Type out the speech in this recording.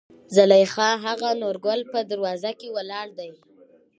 زليخا : هغه نورګل په دروازه کې ولاړ دى.